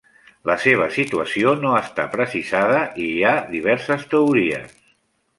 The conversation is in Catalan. La seva situació no està precisada i hi ha diverses teories.